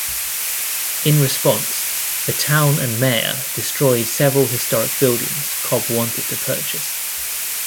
In response, the town and mayor destroyed several historic buildings Cobb wanted to purchase.